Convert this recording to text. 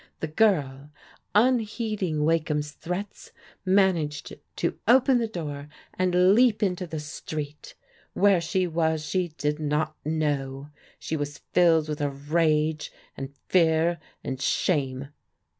The g^rl, unheeding Wakeham's threats, managed to open the door and leap into the street. Where she was she did not know. She was filled with a rage, and fear, and shame.